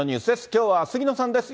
きょうは杉野さんです。